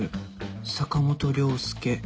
「坂本良介」